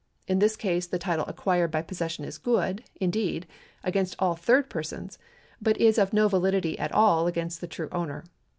In this case th(^ title acquired by possession is good, indeed, against all third persons, but is of no validity at all against the true owner.